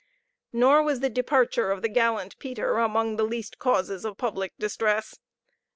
Nor was the departure of the gallant Peter among the least causes of public distress.